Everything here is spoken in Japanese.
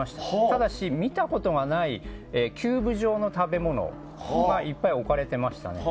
ただし、見たことがないキューブ状の食べ物が置かれてましたね。